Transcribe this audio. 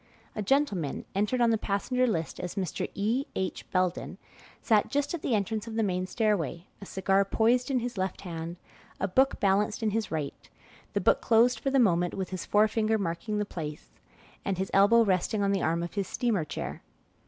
A gentleman, entered on the passenger list as Mr. E. H. Belden, sat just at the entrance of the main stairway, a cigar poised in his left hand, a book balanced in his right; the book closed for the moment, with his forefinger marking the place, and his elbow resting on the arm of his steamer chair.